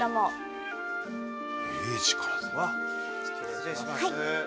失礼します。